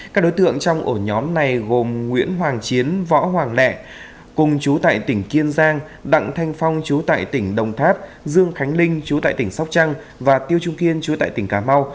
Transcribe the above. các đối tượng trong ổ nhóm này gồm nguyễn hoàng chiến võ hoàng lẹ cùng chú tại tỉnh kiên giang đặng thanh phong chú tại tỉnh đồng tháp dương khánh linh chú tại tỉnh sóc trăng và tiêu trung kiên chú tại tỉnh cà mau